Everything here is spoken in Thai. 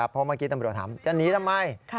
เพราะเมื่อกี้ตำรวจถามจะหนีทำไม